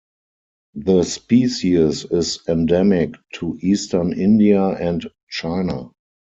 The species is endemic to eastern India and China.